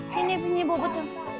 sini punya bobo tuh